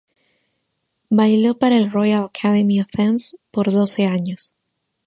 Bailó para el "Royal Academy of Dance" por doce años.